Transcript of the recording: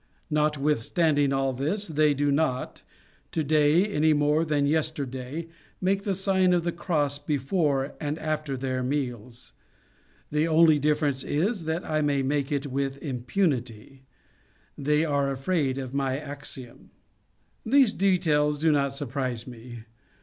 Notwithstanding all this, they do not, to day any more than yesterday, make the Sign of the Cross before and after their meals. The only difference is, that I may make it with impunity: they are afraid of my axiom." These details do not surprise me.